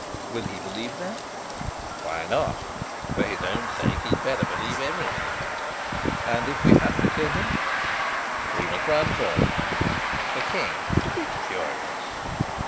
"Will he believe that?" "Why not? For his own sake he'd better believe everything." "And if we have to kill him?" "We must run for it. The king would be furious."